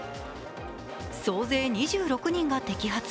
総勢２６人が摘発。